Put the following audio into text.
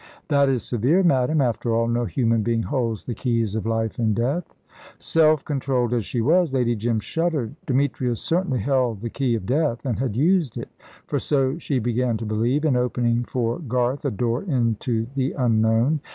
"That is severe, madame. After all, no human being holds the keys of life and death." Self controlled as she was, Lady Jim shuddered. Demetrius certainly held the key of death, and had used it for so she began to believe in opening for Garth a door into the unknown.